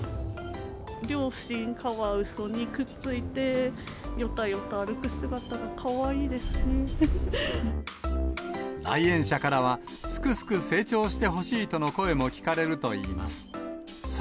両親カワウソにくっついて、来園者からは、すくすく成長してほしいとの声も聞かれるといいます。